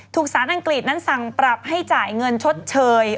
สารอังกฤษนั้นสั่งปรับให้จ่ายเงินชดเชย